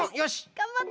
がんばって。